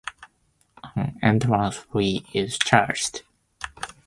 An entrance fee is charged.